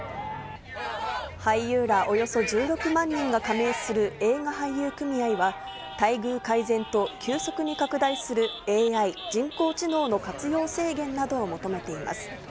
俳優らおよそ１６万人が加盟する映画俳優組合は、待遇改善と急速に拡大するＡＩ・人工知能の活用制限などを求めています。